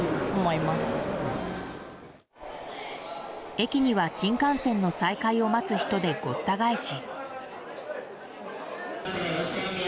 駅には新幹線の再開を待つ人でごった返し。